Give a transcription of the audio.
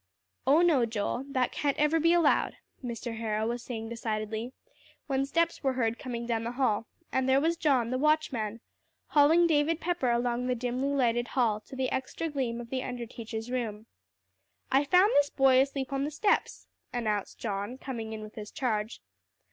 "Oh, no, Joel, that can't ever be allowed," Mr. Harrow was saying decidedly, when steps were heard coming down the hall, and there was John, the watchman, hauling David Pepper along the dimly lighted hall to the extra gleam of the under teacher's room. "I found this boy asleep on the steps," announced John, coming in with his charge.